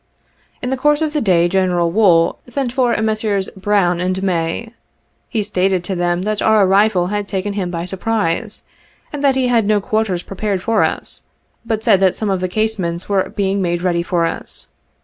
In the course of the day General Wool sent for Messrs. Brown and May. He stated to them that our arrival had taken him by surprise, and that he had no quarters prepared for us, but said that some of the casemates were being made ready for us.